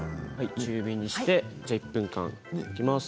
中火にして１分間いきます。